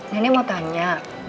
nenek mau tanya